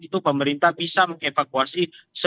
itu pemerintah bisa mengevakuasi